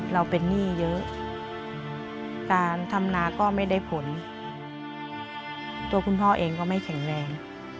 เราเป็นหนี้เยอะการทำนาก็ไม่ได้ผลตัวคุณพ่อเองก็ไม่แข็งแรง